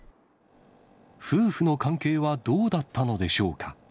夫婦の関係はどうだったのでしょうか。